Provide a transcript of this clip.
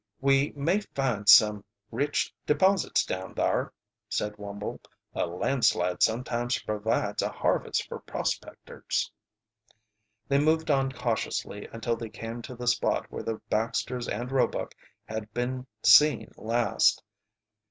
"We may find some rich deposits down thar," said Wumble. "A landslide sometimes provides a harvest for prospectors." They moved on cautiously until they came to the spot where the Baxters and Roebuck had been seen last.